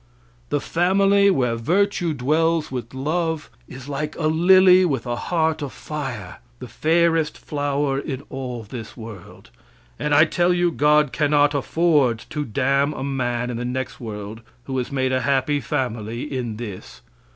The family where virtue dwells with love is like a lily with a heart of fire the fairest flower in all this world. And I tell you God cannot afford to damn a man in the next world who has made a happy family in this.